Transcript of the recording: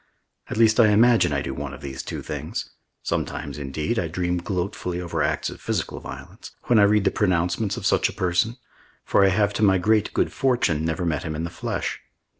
At least I imagine I do one of these two things (sometimes, indeed, I dream gloatfully over acts of physical violence) when I read the pronouncements of such a person; for I have to my great good fortune never met him in the flesh.